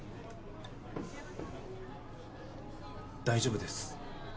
大丈夫です。